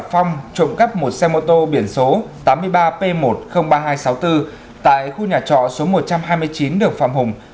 phong trộm cắp một xe mô tô biển số tám mươi ba p một nghìn hai trăm sáu mươi bốn tại khu nhà trọ số một trăm hai mươi chín đường phạm hùng